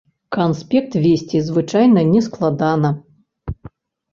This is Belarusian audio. Канспект весці звычайна не складана.